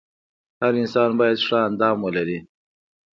هر انسان باید ښه اندام ولري .